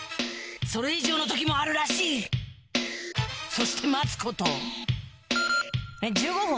それ以上の時もあるらしいそして待つことえっ１５分？